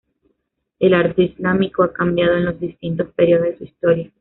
El arte islámico ha cambiado en los distintos períodos de su historia.